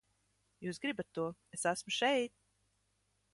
Jūs gribat to, es esmu šeit!